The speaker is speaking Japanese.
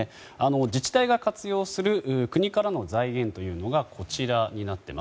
自治体が活用する国からの財源がこちらです。